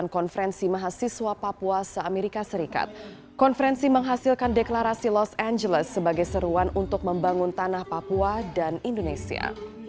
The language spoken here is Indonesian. konferensi menghasilkan deklarasi los angeles sebagai seruan untuk membangun tanah papua dan indonesia